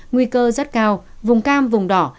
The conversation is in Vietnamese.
nguy cơ rất cao vùng cam vùng đỏ